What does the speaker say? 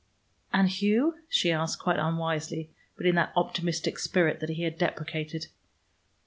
"And Hugh?" she asked, quite unwisely, but in that optimistic spirit that he had deprecated.